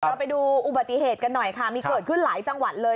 เราไปดูอุบัติเหตุกันหน่อยค่ะมีเกิดขึ้นหลายจังหวัดเลย